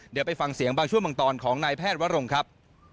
เดี๋ยวไปฟังเสียงบางช่วงบางตอนของนายแพทย์วรงค์ครับ